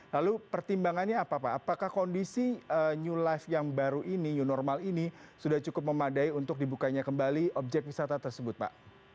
lalu pertimbangannya apa pak apakah kondisi new life yang baru ini new normal ini sudah cukup memadai untuk dibukanya kembali objek wisata tersebut pak